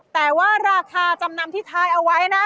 แต่ว่าราคาจำนำที่ท้ายเอาไว้นะ